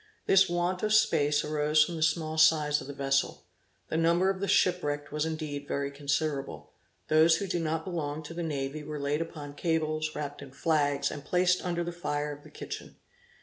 This want of space arose from the small size of the vessel. The number of the shipwrecked was indeed very considerable. Those who did not belong to the navy were laid upon cables, wrapped in flags, and placed under the fire of the kitchen.